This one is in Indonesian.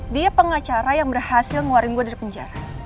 dia pengacara yang berhasil ngeluarin gue dari penjara